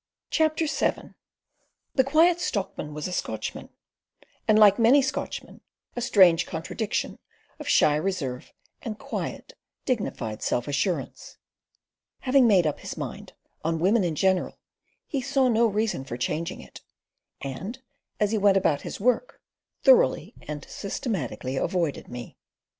CHAPTER VII The Quiet Stockman was a Scotchman, and, like many Scotchmen, a strange contradiction of shy reserve and quiet, dignified self assurance. Having made up his mind on women in general, he saw no reason for changing it; and as he went about his work, thoroughly and systematically avoided me.